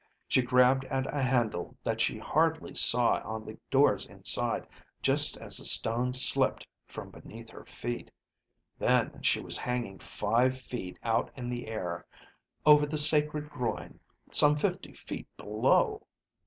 She grabbed at a handle that she hardly saw on the door's inside, just as the stone slipped from beneath her feet. Then she was hanging five feet out in the air over the sacred groin some fifty feet below.